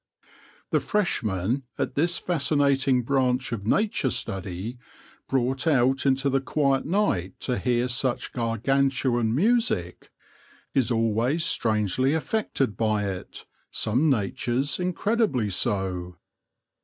The freshman at this fascinating branch of nature study, brought out into the quiet night to hear such gargantuan music, is always strangely affected by it, some natures incredibly so.